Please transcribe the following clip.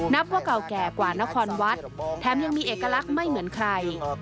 นับว่าเก่าแก่กว่านครวัดแถมยังมีเอกลักษณ์ไม่เหมือนใคร